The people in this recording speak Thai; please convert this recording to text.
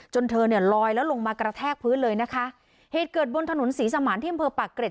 เธอเนี่ยลอยแล้วลงมากระแทกพื้นเลยนะคะเหตุเกิดบนถนนศรีสมานที่อำเภอปากเกร็ด